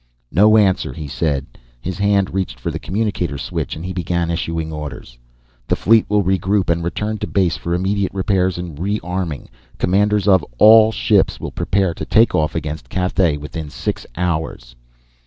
"No answer," he said. His hand reached for the communicator switch and he began issuing orders. "The fleet will regroup and return to base for immediate repairs and rearming. Commanders of all ships will prepare to take off against Cathay within six hours!"